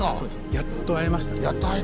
やっと会えましたね。